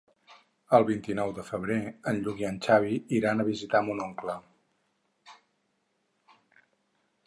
El vint-i-nou de febrer en Lluc i en Xavi iran a visitar mon oncle.